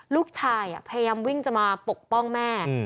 ลูกชายพยายามวิ่งจะมาปกป้องแม่